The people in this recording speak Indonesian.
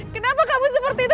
kenapa kamu seperti itu